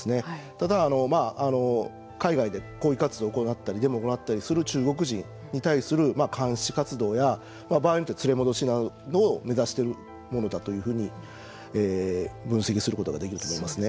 ただ、海外で抗議活動を行ったりデモを行ったりする中国人に対する監視活動や場合によっては連れ戻しなどを目指しているものだというふうに分析することができると思いますね。